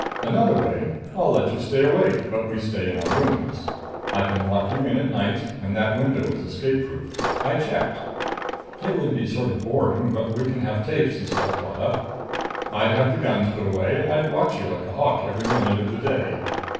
Another way I'll let you stay awake, but we stay in our rooms. I can lock you in at night, and that window is escape proof. I checked. It would be sort of boring, but we can have tapes and stuff brought up. I'd have the guns put away and I'd watch you like a hawk every minute of the day."